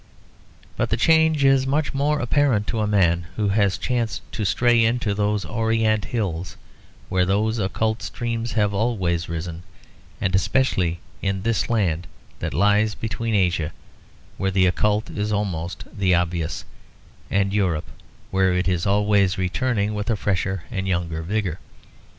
But the change is much more apparent to a man who has chanced to stray into those orient hills where those occult streams have always risen, and especially in this land that lies between Asia, where the occult is almost the obvious, and Europe, where it is always returning with a fresher and younger vigour.